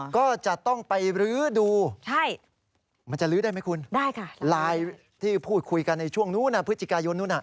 ก็จะต้องไปลื้อดูมันจะลื้อได้ไหมคุณลายที่พูดคุยกันในช่วงนู้นพฤติกายุทธ์นู้นน่ะ